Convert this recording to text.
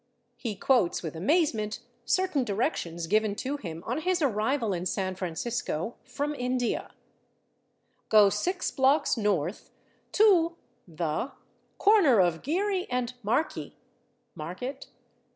He quotes with amazement certain directions given to him on his arrival in San Francisco from India: "Go six blocks north to [the] corner of /Geary/ and /Markey/ [/Market?